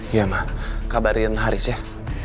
iya ma kabarin haris ya